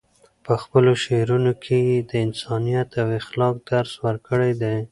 په خپلو شعرونو کې یې د انسانیت او اخلاقو درس ورکړی دی.